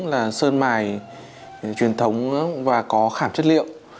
là sơn mài truyền thống và có khảm chất liệu